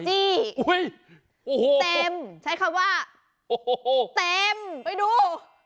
อีจี้เต็มใช้คำว่าเต็มไปดู